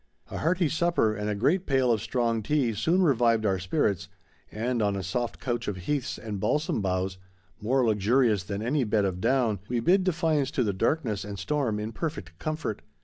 A hearty supper and a great pail of strong hot tea soon revived our spirits, and on a soft couch of heaths and balsam boughs—more luxurious than any bed of down—we bid defiance to the darkness and storm in perfect comfort.